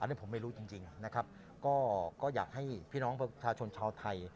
อันนี้ผมไม่รู้จริงนะครับก็อยากให้พี่น้องประชาชนชาวไทย